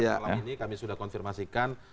malam ini kami sudah konfirmasikan